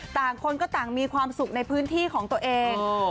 ต่างคนก็ต่างมีความสุขในพื้นที่ของตัวเอง